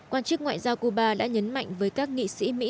quan chức ngoại giao cuba đã nhấn mạnh với các nghị sĩ mỹ